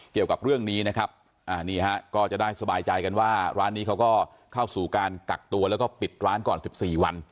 เกี่ยวกับเรื่องนี้นะครับนี่ฮะก็จะได้สบายใจกันว่าร้านนี้เขาก็เข้าสู่การกักตัวแล้วก็ปิดร้านก่อน๑๔วัน